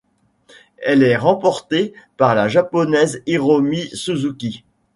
Elle est remportée par la Japonaise Hiromi Suzuki.